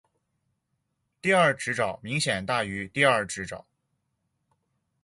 第二指爪明显大于第二指爪。